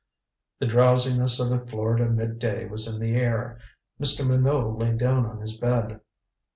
The drowsiness of a Florida midday was in the air. Mr. Minot lay down on his bed.